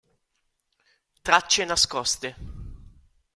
Tracce nascoste